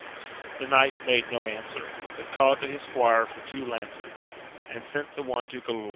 The knight made no answer, but called to his squire for two lances, and sent the one to Galaor.